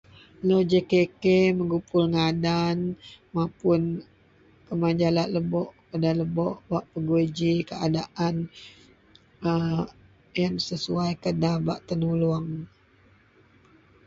Lo JKK megupul ngadan mapun keman jalak lebok jalak lebok bak pegui ji keadaan ayen sesuwai kah nda bak tenuluong.